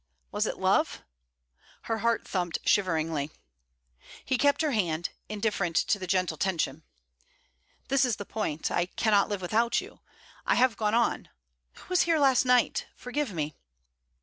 Was it love? Her heart thumped shiveringly. He kept her hand, indifferent to the gentle tension. 'This is the point: I cannot live without you: I have gone on... Who was here last night? Forgive me.'